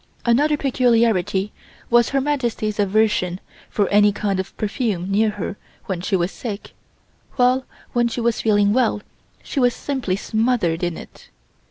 Another peculiarity was Her Majesty's aversion for any kind of perfume near her when she was sick, while when she was feeling well she was simply smothered in it.